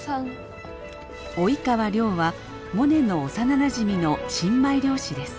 及川亮はモネの幼なじみの新米漁師です。